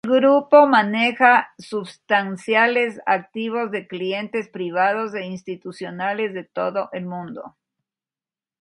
El grupo maneja substanciales activos de clientes privados e institucionales de todo el mundo.